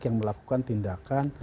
yang melakukan tindakan